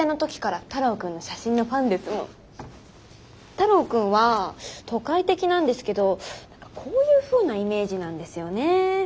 太郎君は都会的なんですけどなんかこういうふうなイメージなんですよねー。